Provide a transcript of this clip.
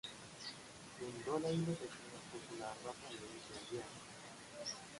Fundó la Biblioteca popular Rafael de Aguiar.